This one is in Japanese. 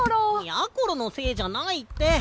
やころのせいじゃないって！